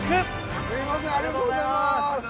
すみませんありがとうございます。